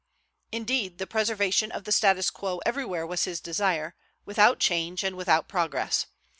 Indeed, the preservation of the status quo everywhere was his desire, without change, and without progress.